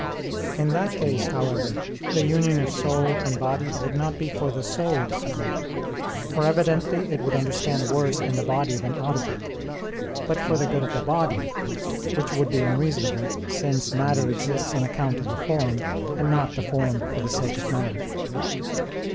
In that case, however, the union of soul and body would not be for the soul's good, for evidently it would understand worse in the body than out of it; but for the good of the body, which would be unreasonable, since matter exists on account of the form, and not the form for the sake of matter.